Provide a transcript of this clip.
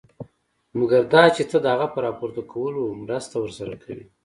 مګر دا چې ته د هغه په راپورته کولو مرسته ورسره کوې.